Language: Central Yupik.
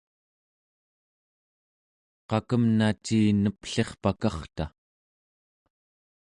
qakemna ciin neplirpakarta?